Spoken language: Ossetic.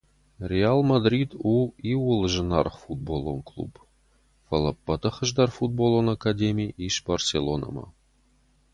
Реал Мадрид у иууыл зынаргъ футболон клуб, фӕлӕ ӕппӕты хуыздӕр футболон академи ис Барселонӕмӕ.